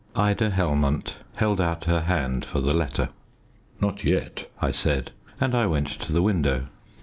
Ida Helmont held out her hand for the letter. "Not yet," I said, and I went to the window.